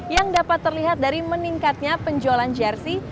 yang dapat terlihat dari meningkatnya penjualan jersey